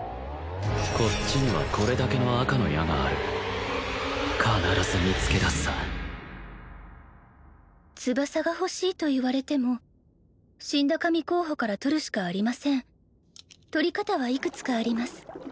こっちにはこれだけの赤の矢がある必ず見つけだすさ翼がほしいと言われても死んだ神候補から取るしかありません取り方はいくつかあります